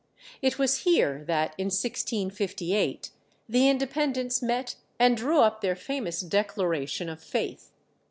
It was here that, in 1658, the Independents met and drew up their famous Declaration of Faith.